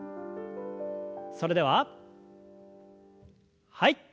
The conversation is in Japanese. それでははい。